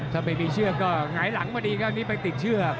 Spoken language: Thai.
ถ้าไม่มีเชือกก็หงายหลังมาดีครับนี่ไปติดเชือก